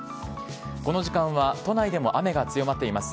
この時間は都内でも雨が強まっています。